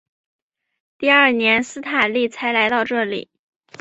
第二年斯坦利才来到这里。